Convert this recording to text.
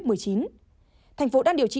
tp hcm đang điều trị